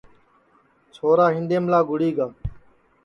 چھورا ہِینڈؔیملا گُڑی گا